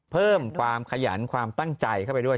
เพิ่มความขยันความตั้งใจเข้าไปด้วย